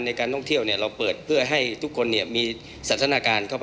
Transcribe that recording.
มีการที่จะพยายามติดศิลป์บ่นเจ้าพระงานนะครับ